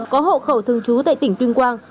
có hộ khẩu thường trú tại tỉnh tuyên quang